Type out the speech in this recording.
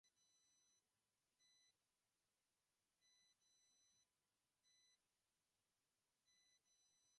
Constituyen igualmente una rica fuente de información histórica y social.